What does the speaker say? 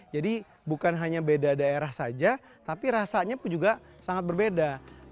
jadi bukan hanya beda daerah saja tapi rasanya pun juga sangat berbeda